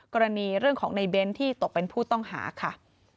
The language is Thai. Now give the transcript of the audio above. กรณีเรื่องของในเบ้นที่ตกเป็นผู้ต้องหาค่ะ